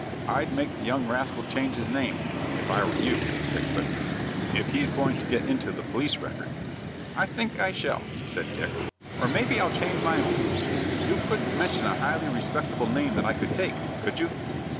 "I'd make the young rascal change his name, if I were you," said Clifton, "if he's going to get into the Police record." "I think I shall," said Dick, "or maybe I'll change my own. You couldn't mention a highly respectable name that I could take, could you?"